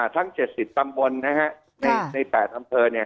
ทั้ง๗๐ตำบลนะฮะใน๘อำเภอ